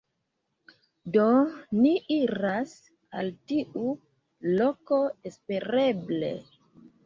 Do, ni iras al tiu loko, espereble